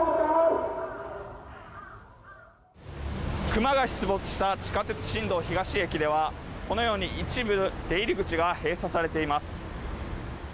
クマが出没した地下鉄新道東駅ではこのように一部、出入り口が閉鎖されています。